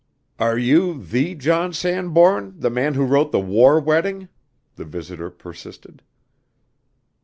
"Are you the John Sanbourne, the man who wrote 'The War Wedding'?" the visitor persisted.